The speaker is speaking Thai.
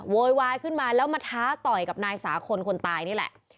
โวยวายขึ้นมาแล้วมาท้าต่อยกับนายสาคลคนตายนี่แหละ